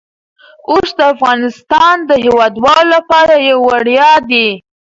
اوښ د افغانستان د هیوادوالو لپاره یو ویاړ دی.